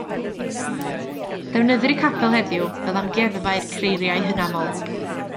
Defnyddir y capel heddiw fel amgueddfa i'r creiriau hynafol.